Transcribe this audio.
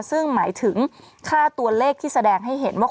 ซึ่งหมายถึงค่าตัวเลขที่แสดงให้เห็นว่า